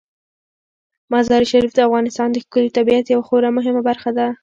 مزارشریف د افغانستان د ښکلي طبیعت یوه خورا مهمه برخه ده.